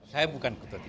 saya bukan ketua tim